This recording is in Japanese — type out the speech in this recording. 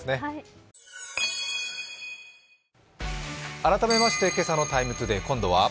改めまして今朝の「ＴＩＭＥ，ＴＯＤＡＹ」、今度は。